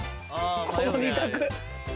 この２択。